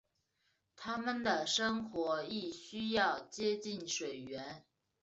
它们的生活亦需要接近水源。